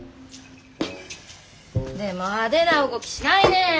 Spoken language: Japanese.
でも派手な動きしないね。